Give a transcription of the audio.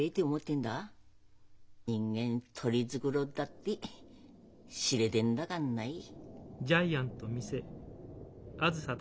人間取り繕ったって知れてんだかんない。